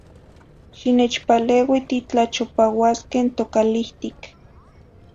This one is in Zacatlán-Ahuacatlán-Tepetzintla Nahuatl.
Xinechpaleui titlachopauasque tocalihtic.